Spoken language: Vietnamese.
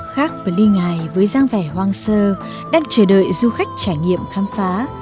khác peli ngai với giang vẻ hoang sơ đang chờ đợi du khách trải nghiệm khám phá